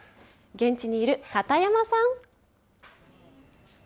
現地にいる片山さん。